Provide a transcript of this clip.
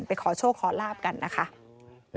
ขอโชคขอลาบกันนะคะ